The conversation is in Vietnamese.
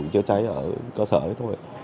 chữa cháy ở cơ sở ấy thôi